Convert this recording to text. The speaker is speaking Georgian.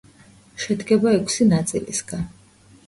შედგება ექვსი ნაწილისგან.